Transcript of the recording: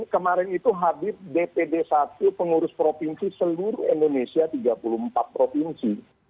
kemarin itu hadir dpd satu pengurus provinsi seluruh indonesia tiga puluh empat provinsi